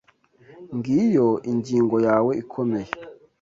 Ngiyo ingingo yawe ikomeye.